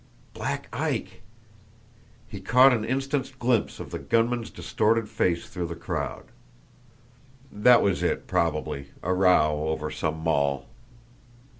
Black Ike! He caught an instant's glimpse of the gunman's distorted face through the crowd. That was it probably a row over some moll.